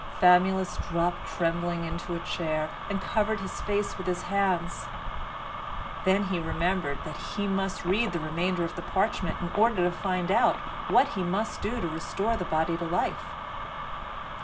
Famulus dropped trembling into a chair and covered his face with his hands. Then he remembered that he must read the remainder of the parchment in order to find out what he must do to restore the body to life.